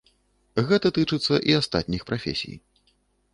Гэта тычыцца і астатніх прафесій.